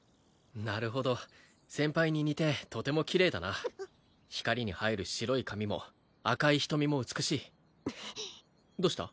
なるほど先輩に似てとてもキレイだな光に映える白い髪も赤い瞳も美しいどうした？